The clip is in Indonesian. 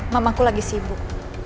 mamaku lagi sibuk